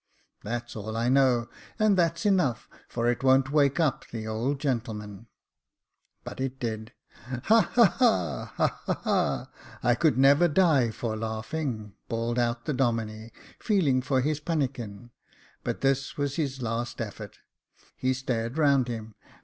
" That's all I know ; and that's enough, for it won't wake up the old gentleman." Jacob Faithful 1 1 9 But it did. " Ha, ha, ha — ha, ha, ha ! I could never die for laughing," bawled out the Domine, feeling for his pannikin j but this was his last effort. He stared round him.